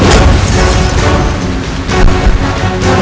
aku akan mencari ucapanmu